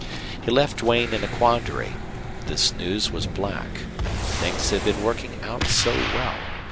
He left Duane in a quandary. This news was black. Things had been working out so well.